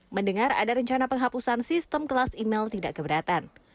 mendengar ada rencana penghapusan sistem kelas email tidak keberatan